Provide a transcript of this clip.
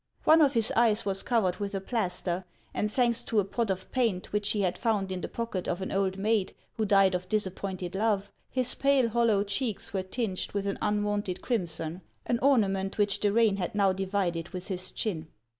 One of his eyes was covered with a plaster, and, thanks to a pot of paint which he had found in the pocket of an old maid who died of disappointed love, his pale, hollow cheeks were tinged with an unwonted crimson, an ornament which the rain had now divided HANS OF ICELAND. 141 with his chin.